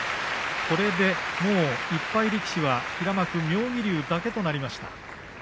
これでもう１敗力士は平幕妙義龍だけとなりました。